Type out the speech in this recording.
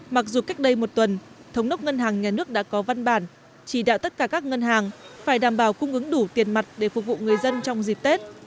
mặc dù cách đây một tuần thống đốc ngân hàng nhà nước đã có văn bản chỉ đạo tất cả các ngân hàng phải đảm bảo cung ứng đủ tiền mặt để phục vụ người dân trong dịp tết